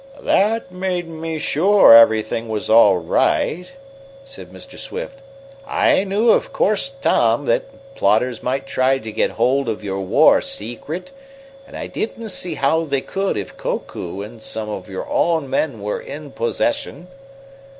"That made me sure everything was all right," said Mr. Swift. "I knew, of course, Tom, that plotters might try to get hold of your war secret, but I didn't see how they could if Koku and some of your own men were in possession."